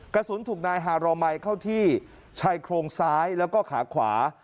กระสุนถูกนายฮารอมัยเข้าที่ชายโครงซ้ายแล้วก็ขาขวา